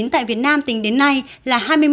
tại việt nam tính đến nay là hai mươi một